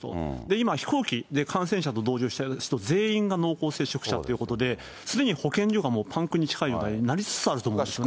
今、飛行機で感染者と同乗すると、全員が濃厚接触者ということで、すでに保健所がパンクに近い状態になりつつあると思うんですよね。